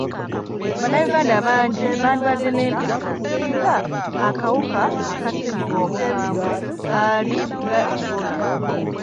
Bannayuganda bangi bandibadde n'empisa singa akawuka ka ssenyiga omukambwe kaali nga Ebola.